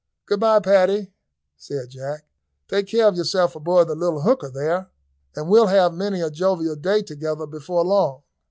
"Good bye, Paddy," said Jack; "take care of yourself aboard the little hooker there, and we'll have many a jovial day together before long."